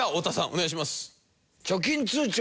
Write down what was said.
お願いします。